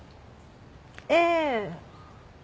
ええ。